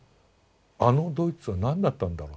あのドイツは何だったんだろう。